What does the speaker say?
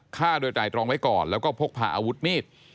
ฆ่าโดยไตรตรองไว้ก่อนแล้วก็พกพาอาวุธมีด